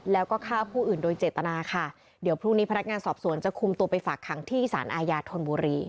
แล้วเขาพูดถึงทีถ้าเข้ากันกันก็จะรู้จักกัน